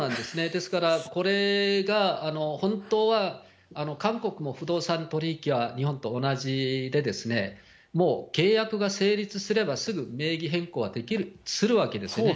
ですから、これが本当は韓国も不動産取り引きは日本と同じで、もう契約が成立すればすぐ名義変更はするわけですね。